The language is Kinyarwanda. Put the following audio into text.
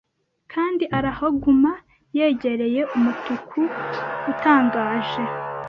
Kandi arahaguma-yegereye umutuku utangaje